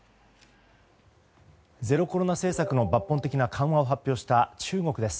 ゼロコロナ政策の抜本的な緩和を発表した中国です。